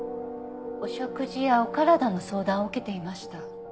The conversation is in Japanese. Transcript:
お食事やお体の相談を受けていました。